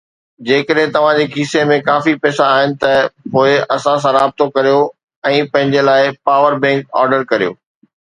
جيڪڏهن توهان جي کيسي ۾ ڪافي پئسا آهن ته پوءِ اسان سان رابطو ڪريو ۽ پنهنجي لاءِ پاور بئنڪ آرڊر ڪريو